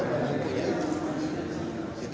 langsung punya itu